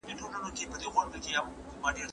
¬ چي حاجي حاجي لري، اخر به حاجي سې.